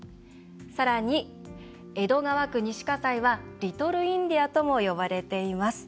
さらに、江戸川区西葛西はリトル・インディアとも呼ばれています。